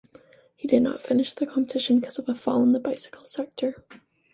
He did not finish the competition because of a fall in the bicycle sector.